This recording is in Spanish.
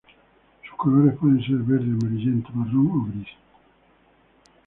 Sus colores pueden ser verde, amarillento, marrón o gris.